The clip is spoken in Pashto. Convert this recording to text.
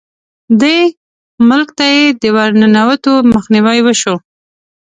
دې ملک ته یې د ورننوتو مخنیوی وشو.